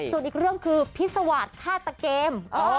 ส่วนอีกเรื่องคือพิษวาสฆาตเกม